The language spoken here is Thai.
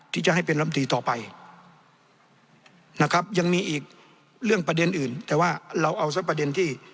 ที่จะให้เป็นลำตีต่อไป